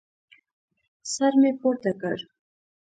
سر مې پورته کړ.